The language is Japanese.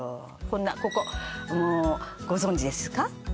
こんなここもうご存じですか？